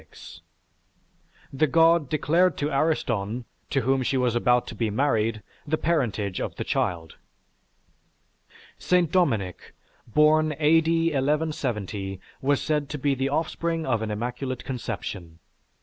The God declared to Ariston, to whom she was about to be married, the parentage of the child. St. Dominic, born A.D. 1170, was said to be the offspring of an immaculate conception.